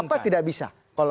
kenapa tidak bisa